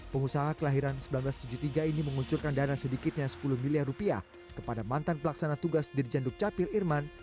pengusaha kelahiran seribu sembilan ratus tujuh puluh tiga ini mengucurkan dana sedikitnya sepuluh miliar rupiah kepada mantan pelaksana tugas dirjen dukcapil irman